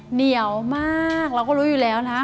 เหนียวมากเราก็รู้อยู่แล้วนะ